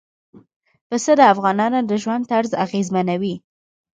پسه د افغانانو د ژوند طرز اغېزمنوي.